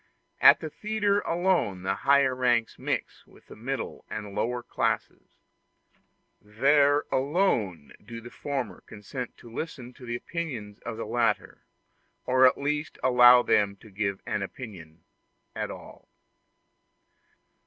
At the theatre alone the higher ranks mix with the middle and the lower classes; there alone do the former consent to listen to the opinion of the latter, or at least to allow them to give an opinion at all.